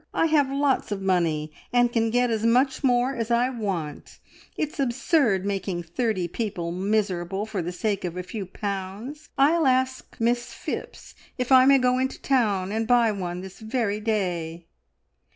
I have lots of money, and can get as much more as I want. It's absurd making thirty people miserable for the sake of a few pounds. I'll ask Miss Phipps if I may go into town and buy one this very day."